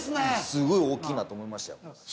すごい大きいなと思いましたよ。